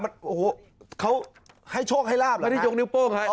โอ้โหเขาให้โชคให้ลาบเลยไม่ได้ยกนิ้วโป้งฮะ